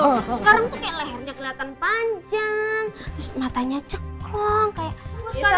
sekarang tuh kayak lehernya kelihatan panjang terus matanya cekong kayak